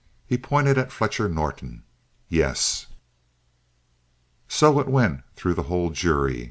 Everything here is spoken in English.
He pointed to Fletcher Norton. "Yes." So it went through the whole jury.